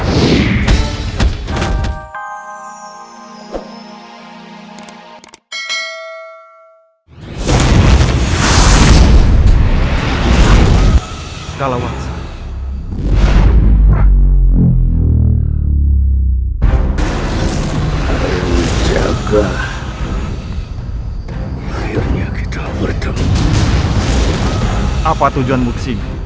jangan sampai dia tercampur